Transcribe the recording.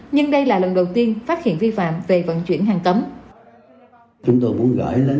nhưng đây là lần đầu tiên phát hiện vi phạm về vận chuyển hàng cấm